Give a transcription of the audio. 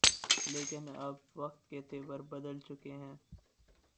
لیکن اب وقت کے تیور بدل چکے ہیں۔